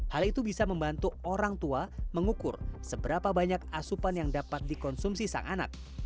hal itu bisa membantu orang tua mengukur seberapa banyak asupan yang dapat dikonsumsi sang anak